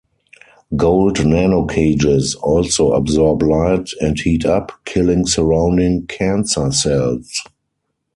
Gold nanocages also absorb light and heat up, killing surrounding cancer cells.